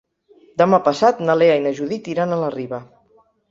Demà passat na Lea i na Judit iran a la Riba.